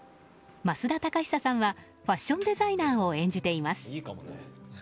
増田貴久さんはファッションデザイナーを演じています。